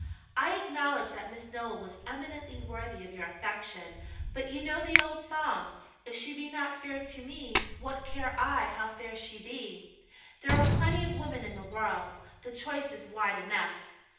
I acknowledge that Miss Nowell was eminently worthy of your affection; but you know the old song 'If she be not fair to me, what care I how fair she be.' There are plenty of women in the world. The choice is wide enough."